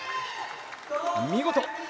見事。